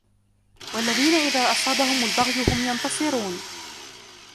والذين إذا أصابهم البغي هم ينتصرون